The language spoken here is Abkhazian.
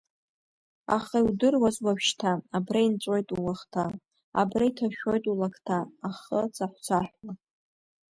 Аха иудыруаз уажәшьҭа, абра инҵәоит ууахҭа, абра иҭашәоит улакҭа, ахы цаҳә-цаҳәуа!